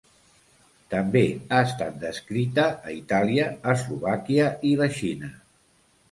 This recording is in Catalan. També ha estat descrita a Itàlia, Eslovàquia i la Xina.